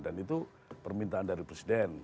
dan itu permintaan dari presiden